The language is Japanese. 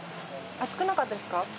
熱くなかったですか？